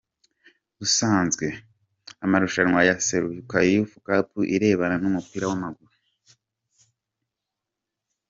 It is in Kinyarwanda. busanzwe, amarushanwa ya Seruka Youth Cup irebana n’umupira w’amaguru.